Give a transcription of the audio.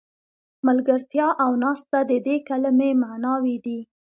ملګرتیا او ناسته د دې کلمې معناوې دي.